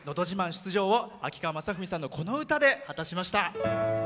出場を秋川雅史さんのこの歌で果たしました。